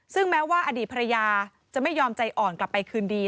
ซึ่งแม้ว่าอดีตภรรยาจะไม่ยอมใจอ่อนกลับไปคืนดี